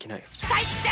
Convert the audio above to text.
最低！